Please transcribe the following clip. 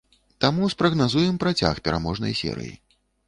Таму спрагназуем працяг пераможнай серыі.